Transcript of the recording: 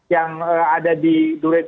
yang ada di durasi tiga